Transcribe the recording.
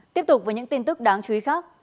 tiếp tục với những tin tức đáng chú ý khác